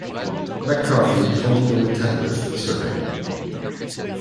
McCarthy grandit dans le Tadworth, Surrey.